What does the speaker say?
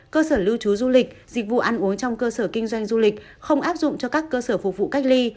cơ sở lưu trú du lịch dịch vụ ăn uống trong cơ sở kinh doanh du lịch không áp dụng cho các cơ sở phục vụ cách ly